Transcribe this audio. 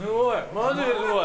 マジですごい！